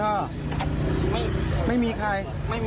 ไม่มีไม่มีใคร